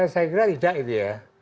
saya kira tidak gitu ya